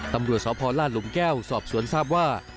ตำรวจสพลาดหลุมแก้วสอบสวนทราบว่า